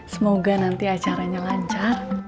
semoga nanti acaranya lancar